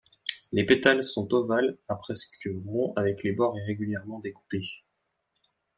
Les pétales sont ovales à presque ronds avec les bords irrégulièrement découpés.